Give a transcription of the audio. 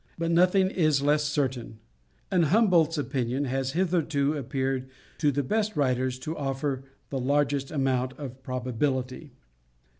But nothing is less certain, and Humboldt's opinion has hitherto appeared to the best writers to offer the largest amount of probability.